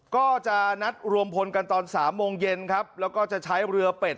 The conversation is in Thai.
ก็จะนัดรวมพลกันตอนสามโมงเย็นครับแล้วก็จะใช้เรือเป็ด